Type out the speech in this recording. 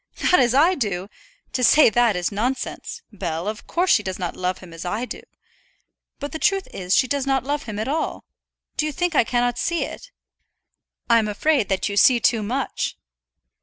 "Not as I do! To say that is nonsense, Bell; of course she does not love him as I do. But the truth is she does not love him at all. Do you think I cannot see it?" "I'm afraid that you see too much."